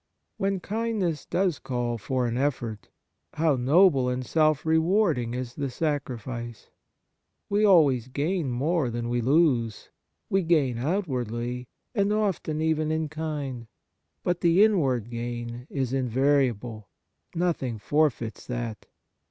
When kind ness does call for an effort, how noble and self rewarding is the sacrifice ! We always gain more than we lose ; we gain outwardly, and often even in kind. But the inward gain is invariable ; nothing forfeits that.